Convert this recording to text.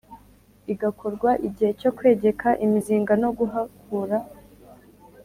igakorwa igihe cyo kwegeka imizinga no guhakura.